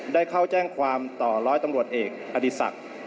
ได้เข้าแจ้งความต่อร้อยตำรวจเอกอดีศักดิ์